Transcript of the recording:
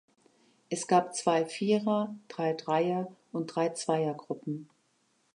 Es gab zwei Vierer-, drei Dreier- und drei Zweiergruppen.